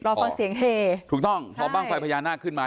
รอฟังเสียงเฮถูกต้องพอบ้างไฟพญานาคขึ้นมา